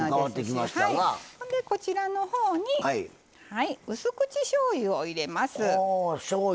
こちらのほうにうす口しょうゆを入れます。